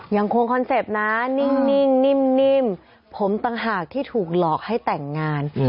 คอนเซ็ปต์นะนิ่งนิ่มผมต่างหากที่ถูกหลอกให้แต่งงาน